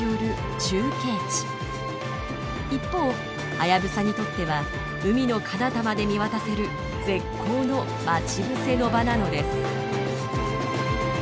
一方ハヤブサにとっては海のかなたまで見渡せる絶好の待ち伏せの場なのです。